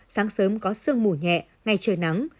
sáng sớm có sương mù nhẹ ngày trời nắng